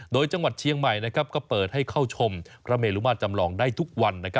โดยจังหวัดเชียงใหม่ก็เปิดให้เข้าชมพระเมลุมาตรจำลองได้ทุกวัน